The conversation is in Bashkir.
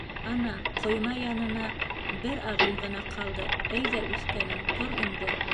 — Ана, ҡойма янына бер аҙым ғына ҡалды, әйҙә, үҫкәнем, тор инде.